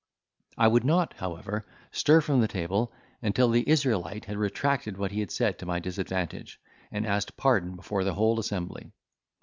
I would not, however, stir from the table until the Israelite had retracted what he had said to my disadvantage, and asked pardon before the whole assembly.